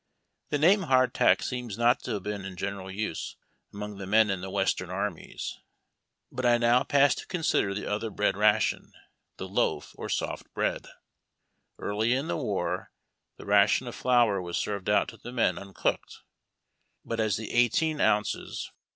The name hardtack seems not to have been in general use among the men in the Western armies. But I now pass to consider the other bread ration — the loaf or soft bread. Early in the war the ration of flour was served out to the men uncooked ; but as the eighteen ounces 120 HARD TACK AND COFFEE. AN ARMY OVEN.